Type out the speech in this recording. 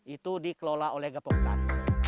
itu dikelola oleh gepokkan